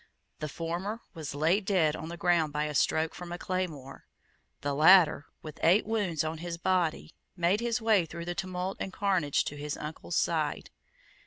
The former was laid dead on the ground by a stroke from a claymore. The latter, with eight wounds on his body, made his way through the tumult and carnage to his uncle's side.